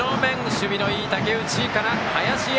守備のいい竹内から林へ。